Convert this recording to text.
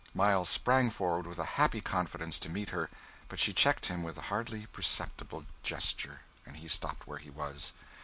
Miles sprang forward, with a happy confidence, to meet her, but she checked him with a hardly perceptible gesture, and he stopped where he was.